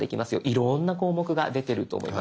いろんな項目が出てると思います。